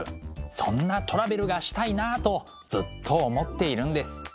そんなトラベルがしたいなとずっと思っているんです。